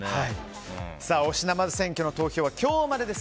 推しナマズ選挙の投票は今日までです。